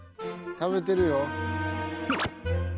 食べてるよ。